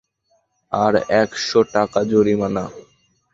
আর এক-শো টাকার জরিমানা?